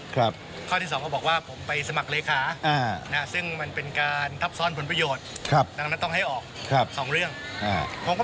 ข้อที่สองเขาบอกว่าผมไปสมัครเลขาซึ่งมันเป็นการทับซ้อนผลประโยชน์ดังนั้นต้องให้ออกสองเรื่อง